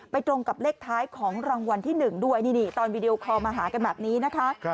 ตรงกับเลขท้ายของรางวัลที่๑ด้วยนี่ตอนวีดีโอคอลมาหากันแบบนี้นะคะ